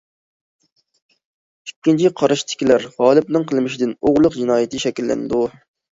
ئىككىنچى قاراشتىكىلەر، غالىپنىڭ قىلمىشىدىن ئوغرىلىق جىنايىتى شەكىللىنىدۇ.